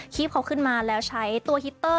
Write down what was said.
บเขาขึ้นมาแล้วใช้ตัวฮิตเตอร์